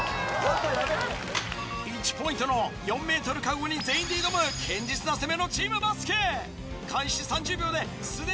１ポイントの４ｍカゴに全員で挑む堅実な攻めのチームバスケ。